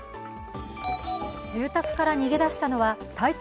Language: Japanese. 住宅から逃げ出したのは体長